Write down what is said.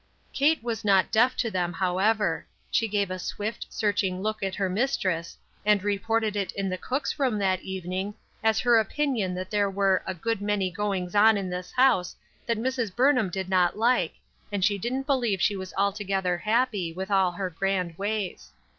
Kate was not deaf to them, however ; she gave a swift, searching look at her mistress, and reported it in the cook's room that evening as her opinion that there were " a good many goings on in this THE UNEXPECTED. 79 house that Mrs. Burnham did not like, and she didn't believe she was altogether happy, with all her grand ways."